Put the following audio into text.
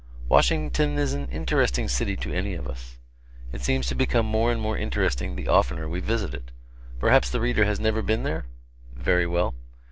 Washington is an interesting city to any of us. It seems to become more and more interesting the oftener we visit it. Perhaps the reader has never been there? Very well.